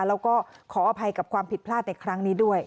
แล้วก็ขออภัยกับความผิดพลาดในครั้งนี้ด้วย